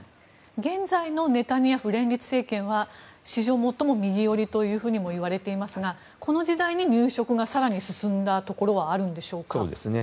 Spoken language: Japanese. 現在のネタニヤフ連立政権は史上最も右寄りともいわれていますがこの時代に入植が更に進んだところはあるんでしょうか。